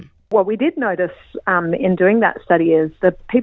apa yang kita perhatikan dalam penelitian tersebut adalah